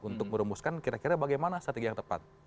untuk merumuskan kira kira bagaimana strategi yang tepat